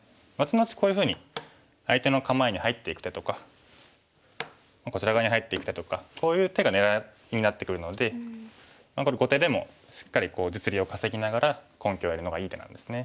後々こういうふうに相手の構えに入っていく手とかこちら側に入っていく手とかこういう手が狙いになってくるのでこれ後手でもしっかり実利を稼ぎながら根拠を得るのがいい手なんですね。